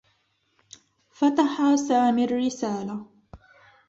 فتح سامي الرّسالة.